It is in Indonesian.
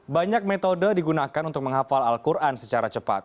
banyak metode digunakan untuk menghafal al quran secara cepat